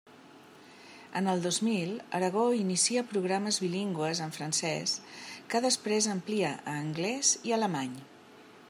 En el dos mil, Aragó inicia programes bilingües en francés, que després amplia a anglés i alemany.